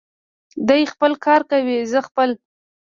دی خپل کار کوي، زه خپل.